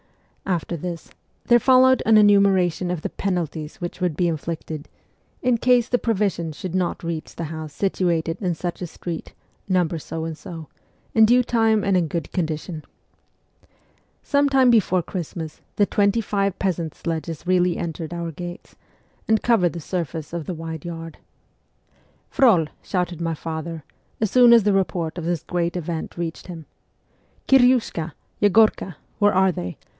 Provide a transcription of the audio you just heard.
After this there followed an enumeration of the penal 42 MEMOIRS OF A REVOLUTIONIST ties which would be inflicted in case the provisions should not reach the house situated in such a street, number so and so, in due time and in good condition. Some time before Christmas the twenty five peasant sledges really entered our gates, and covered the surface of the wide yard. ' Frol !' shouted my father, as soon as the report of this great event reached him. ' Kiryushka ! Yeg6rka ! Where are they